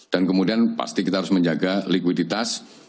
dan kemudian pasti kita harus menjaga likuiditas